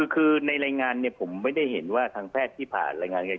คือในรายงานเนี่ยผมไม่ได้เห็นว่าทางแพทย์ที่ผ่านรายงาน